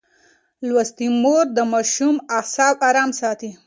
لوستې مور د ماشوم اعصاب ارام ساتي.